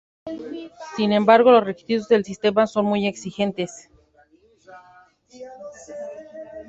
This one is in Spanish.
Sin embargo, los requisitos del sistema son muy exigentes.